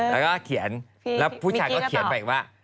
แล้วก็เขียนแล้วผู้ชายก็เขียนไปอีกว่า